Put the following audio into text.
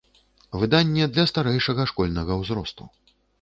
Выданне для старэйшага школьнага ўзросту.